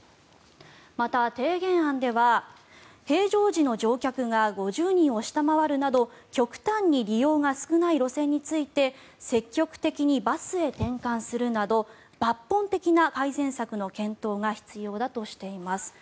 また、提言案では平常時の乗客が５０人を下回るなど極端に利用が少ない路線について積極的にバスへ転換するなど抜本的な改善策の検討が必要だとしています。